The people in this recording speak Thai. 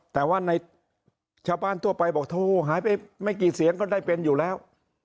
แต่ว่าในชาวบ้านทั่วไปบอกโทรหายไปไม่กี่เสียงก็ได้เป็นอยู่แล้ว